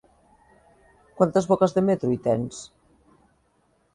Quantes boques de metro hi tens?